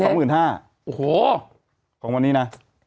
โอ้โหของวันนี้นะ